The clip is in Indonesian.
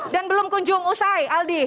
dan belum kunjung usai hadi